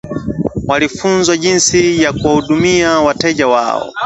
Walifunzwa jinsi ya kuwahudumia wateja wao